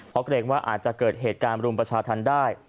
เพราะเกรงว่าอาจจะเกิดเหตุการณ์รุมประชาธรรมได้